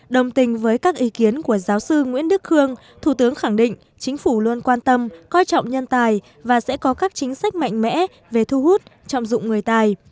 đồng tình với các ý kiến của giáo sư nguyễn đức khương thủ tướng khẳng định chính phủ luôn quan tâm coi trọng nhân tài và sẽ có các chính sách mạnh mẽ về thu hút trọng dụng người tài